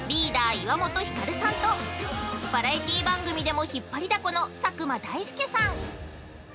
岩本照さんと、バラエティー番組でも引っ張りだこの佐久間大介さん。